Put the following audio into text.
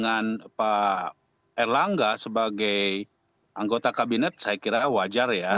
dengan pak erlangga sebagai anggota kabinet saya kira wajar ya